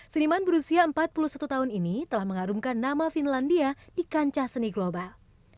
seniman berusia empat puluh satu tahun ini telah mengharumkan nama finlandia di kancah seni global